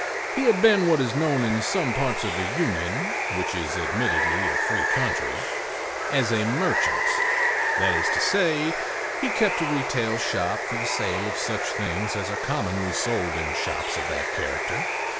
He had been what is known in some parts of the Union (which is admittedly a free country) as a "merchant"; that is to say, he kept a retail shop for the sale of such things as are commonly sold in shops of that character.